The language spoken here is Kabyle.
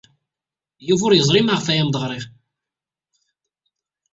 Yuba ur yeẓri maɣef ay am-d-ɣriɣ.